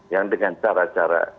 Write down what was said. yang dengan cara cara